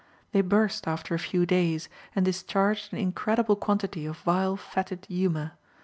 They burst after a few days, and discharged an incredible quantity of vile fetid humor.